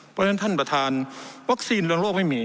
เพราะฉะนั้นท่านประธานวัคซีนเรื่องโลกไม่มี